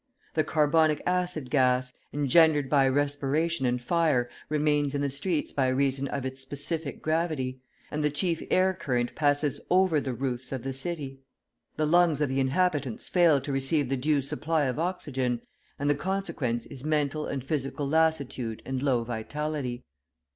The carbonic acid gas, engendered by respiration and fire, remains in the streets by reason of its specific gravity, and the chief air current passes over the roofs of the city. The lungs of the inhabitants fail to receive the due supply of oxygen, and the consequence is mental and physical lassitude and low vitality.